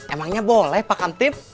emangnya boleh pak kamtip